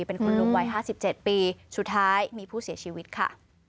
เป็นคุณลุงวัย๕๗ปีสุดท้ายมีผู้เสียชีวิตค่ะ